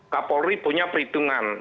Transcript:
kapolri punya perhitungan